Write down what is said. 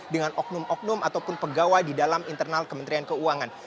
dengan oknum oknum ataupun pegawai di dalam internal kementerian keuangan